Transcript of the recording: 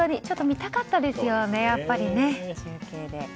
ちょっと見たかったですよね、中継で。